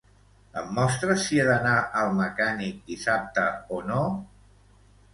Em mostres si he d'anar al mecànic dissabte o no?